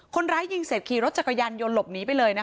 คนร้ายยิงเสร็จขี่รถจักรยานยนต์หลบหนีไปเลยนะคะ